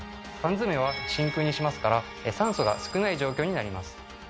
缶詰は真空にしますから酸素が少ない状況になります。